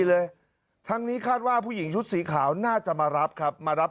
เลยทั้งนี้คาดว่าผู้หญิงชุดสีขาวน่าจะมารับครับมารับ